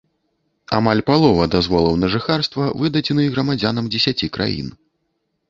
Амаль палова дазволаў на жыхарства выдадзены грамадзянам дзесяці краін.